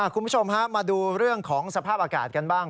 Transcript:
คุณผู้ชมฮะมาดูเรื่องของสภาพอากาศกันบ้าง